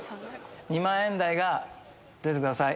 ２万円台が出てください。